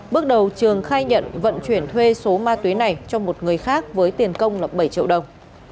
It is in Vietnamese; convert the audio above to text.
bước đầu trường khai nhận vận chuyển thuê số ma túy này cho một người khác với tiền công là bảy triệu đồng